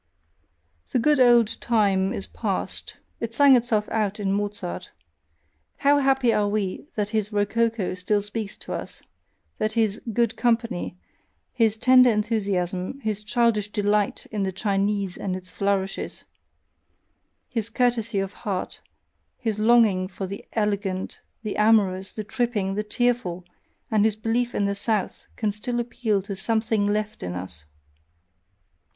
The "good old" time is past, it sang itself out in Mozart how happy are WE that his ROCOCO still speaks to us, that his "good company," his tender enthusiasm, his childish delight in the Chinese and its flourishes, his courtesy of heart, his longing for the elegant, the amorous, the tripping, the tearful, and his belief in the South, can still appeal to SOMETHING LEFT in us!